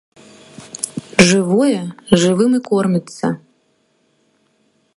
Жывое жывым і корміцца!